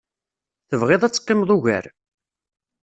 Tebɣiḍ ad teqqimeḍ ugar?